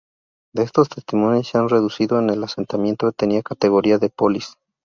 De estos testimonios se ha deducido que el asentamiento tenía categoría de "polis".